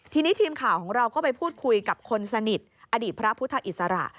ทีนี้ทีมข่าวของเราก็ไปพูดคุยกับคนสนิทอดีตพระพุทธอิสระ